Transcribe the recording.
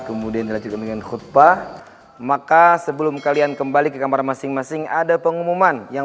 kemudian lanjut dengan khutbah maka sebelum kalian kembali kekamar masing masing ada pengumuman yang